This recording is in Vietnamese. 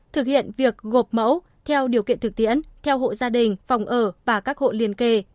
thực hiện việc gộp mẫu theo điều kiện thực tiễn theo hộ gia đình phòng ở và các hộ liên kề